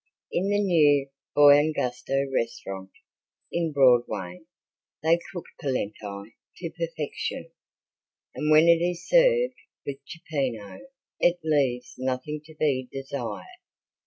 In the New Buon Gusto restaurant, in Broadway, they cook polenti to perfection, and when it is served with cippino it leaves nothing to be desired.